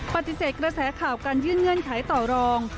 ปฏิเสธกระแสข่าวการยื่นเงื่อนไขต่อรอง